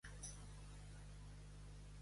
Ai Senyor!, si li la clave serà pitjor?